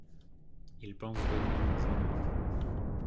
Ils pensent venir dans un an.